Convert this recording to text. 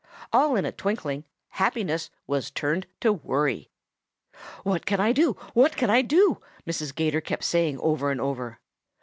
All in a twinkling happiness was turned to worry. "'What can I do? What can I do?' Mrs. 'Gator kept saying over and over.